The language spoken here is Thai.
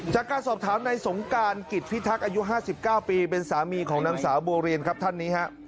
จากการสอบถามในสงการกิจพิทักษ์อายุ๕๙ปีเป็นสามีของนางสาวบัวเรียนครับท่านนี้ฮะ